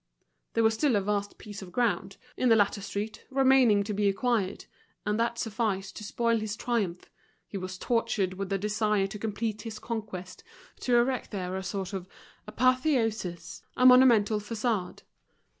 There was still a vast piece of ground, in the latter street, remaining to be acquired, and that sufficed to spoil his triumph, he was tortured with the desire to complete his conquest, to erect there a sort of apotheosis, a monumental façade.